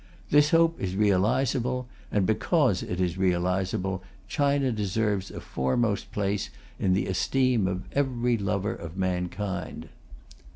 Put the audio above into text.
This hope is realizable; and because it is realizable, China deserves a foremost place in the esteem of every lover of mankind.